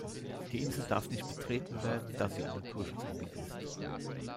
Die Insel darf nicht betreten werden, da sie ein Naturschutzgebiet ist.